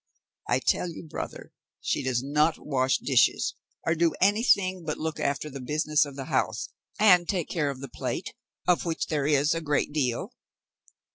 "I tell you brother she does not wash dishes, or do anything but look after the business of the house, and take care of the plate, of which there is a great deal."